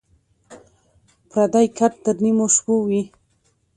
ـ پردى کټ تر نيمو شپو وي.